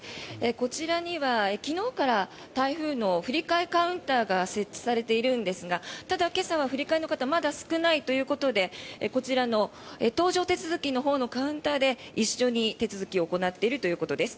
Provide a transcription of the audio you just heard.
こちらには昨日から台風の振り替えカウンターが設置されているんですがただ、今朝は振り替えの方まだ少ないということでこちらの搭乗手続きのほうのカウンターで一緒に手続きを行っているということです。